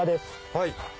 はい。